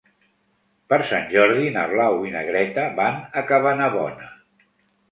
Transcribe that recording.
Per Sant Jordi na Blau i na Greta van a Cabanabona.